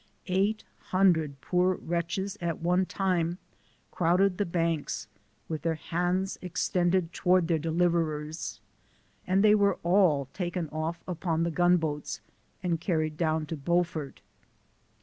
Eight hundred poor wretches at one time crowded the banks, with their hands extended towards their de liverers, and they were all taken off upon the gun boats, and carried down to Beaufort.